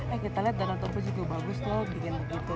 eh kita lihat danau toba juga bagus tuh bikin begitu